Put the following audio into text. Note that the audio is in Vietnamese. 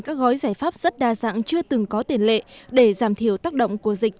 các gói giải pháp rất đa dạng chưa từng có tiền lệ để giảm thiểu tác động của dịch